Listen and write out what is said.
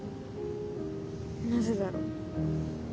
なぜだろう？